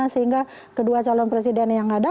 sehingga kedua calon presiden yang ada